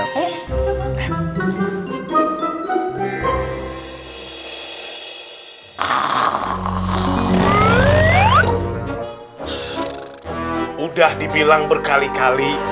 sudah dibilang berkali kali